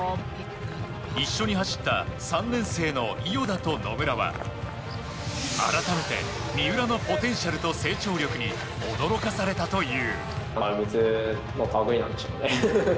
一緒に走った３年生の伊豫田と野村は改めて三浦のポテンシャルと成長力に驚かされたという。